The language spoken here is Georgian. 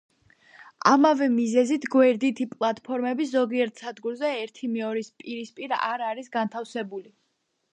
ამავე მიზეზით, გვერდითი პლატფორმები ზოგიერთ სადგურზე ერთიმეორის პირისპირ არ არის განთავსებული.